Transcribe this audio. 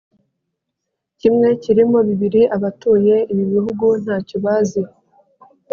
kimwe kirimo bibiri Abatuye ibi bihugu ntacyo bazi